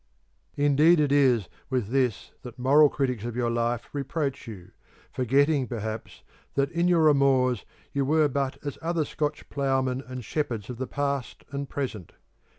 Indeed it is with this that moral critics of your life reproach you, forgetting, perhaps, that in your amours you were but as other Scotch ploughmen and shepherds of the past and present.